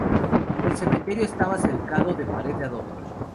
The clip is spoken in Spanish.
El cementerio estaba cercado de pared de adobe.